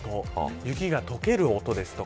雪が解ける音ですとか